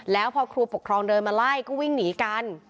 แล้วพอครูปกครองเดินมาไล่ก็วิ่งหนีกัน